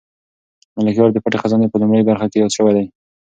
ملکیار د پټې خزانې په لومړۍ برخه کې یاد شوی دی.